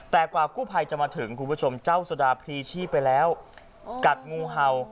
แต่กว่ากู้ภัยจะมาถึงคุณผู้ชมเจ้าสุดาพรีชีพไปแล้วกัดงูเห่า